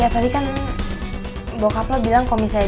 makanan yang diambil dari pangeran